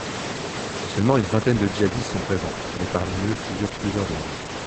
Seulement une vingtaine de djihadistes sont présents, mais parmi eux figurent plusieurs émirs.